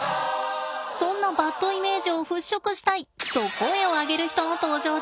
そんなバッドイメージを払拭したい！と声を上げる人の登場です。